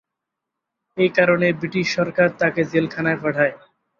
এ কারণে ব্রিটিশ সরকার তাঁকে জেলখানায় পাঠায়।